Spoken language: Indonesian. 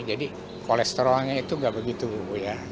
jadi kolesterolnya itu gak begitu ya